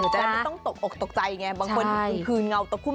จะได้ไม่ต้องตกออกตกใจเนี่ยบางคนหุ่นผืนเงาตกขุม